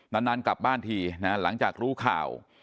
นานกลับบ้านทีนะหลังจากรู้ข่าว